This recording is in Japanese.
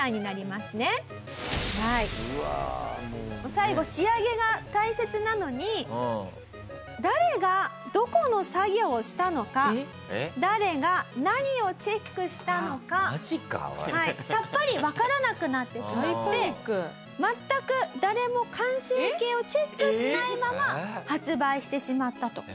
最後仕上げが大切なのに誰がどこの作業をしたのか誰が何をチェックしたのかさっぱりわからなくなってしまって全く誰も完成形をチェックしないまま発売してしまったと。